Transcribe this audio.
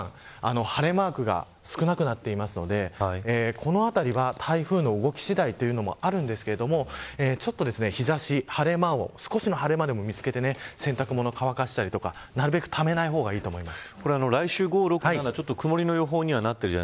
晴れマークが少なくなっていますのでこの辺りは台風の動き次第というのもあるんですけどもちょっと日差し少しの晴れ間でも見つけて洗濯物を乾かしたりとかなるべくためない方がいいです。